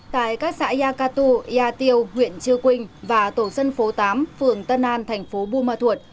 tại các xã ea katu ea tiêu huyện chư quynh và tổ dân phố tám phường tân an thành phố bù mà thuột